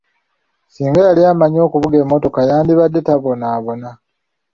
Singa yali amanyi okuvuga mmotoka, yandibadde tabonabona.